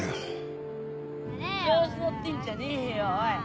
調子乗ってんじゃねえよおい